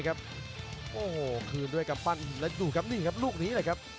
คืนด้วยกับปั้นดูลูกนี้